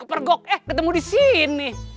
eh ketemu di sini